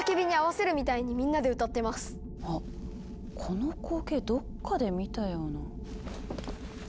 この光景どっかで見たような。